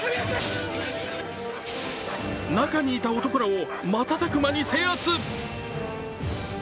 中にいた男らを瞬く間に制圧。